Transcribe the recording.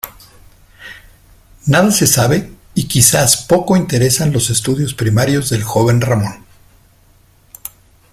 Nada se sabe y quizás poco interesan los estudios primarios del joven Ramón.